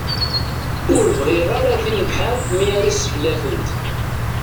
Ur bɣiɣ ara timgeḥyal mi ara seglafent.